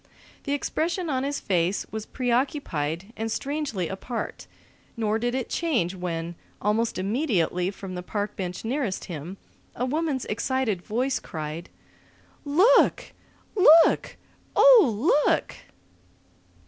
The expression on his face was preoccupied and strangely apart, nor did it change when, almost immediately from the park bench nearest him, a woman's excited voice cried: "Look! Look! Oh, look!"